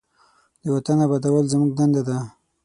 د وطن آبادول زموږ دنده ده.